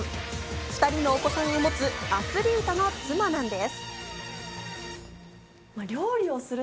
２人のお子さんを持つアスリートの妻なんです。